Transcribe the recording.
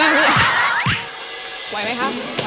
ไหวไว้ค่ะ